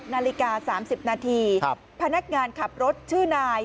นาฬิกา๓๐นาทีพนักงานขับรถชื่อนาย